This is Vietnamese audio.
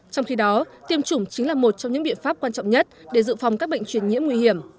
trong khi đó tiêm chủng chính là một trong những biện pháp quan trọng nhất để dự phòng các bệnh truyền nhiễm nguy hiểm